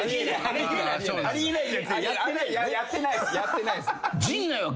やってないです。